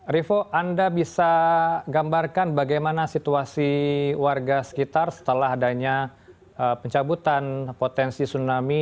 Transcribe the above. rivo anda bisa gambarkan bagaimana situasi warga sekitar setelah adanya pencabutan potensi tsunami